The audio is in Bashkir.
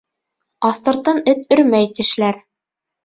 Аҫтыртын эт өрмәй тешләр.